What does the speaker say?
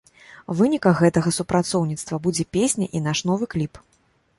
Вынікам гэтага супрацоўніцтва будзе песня і наш новы кліп.